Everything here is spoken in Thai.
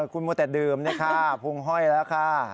คุณมัวแต่ดื่มนะคะพุงห้อยแล้วค่ะ